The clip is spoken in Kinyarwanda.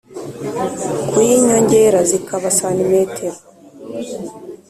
kuyinyongera zikaba cm